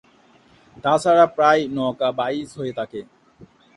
তাছাড়া প্রায়ই নৌকা বাইচ হয়ে থাকে।